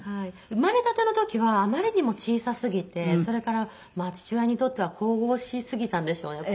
生まれたての時はあまりにも小さすぎてそれから父親にとっては神々しすぎたんでしょうね。